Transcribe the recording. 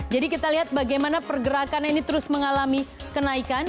jadi kita lihat bagaimana pergerakan ini terus mengalami kenaikan